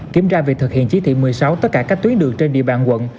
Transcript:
kiểm tra việc thực hiện chí thị một mươi sáu tất cả các tuyến đường trên địa bàn quận